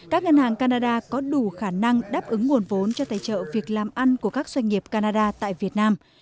các ngân hàng canada có đủ khả năng đáp ứng nguồn vốn cho tài trợ việc làm ăn của các doanh nghiệp canada tại việt nam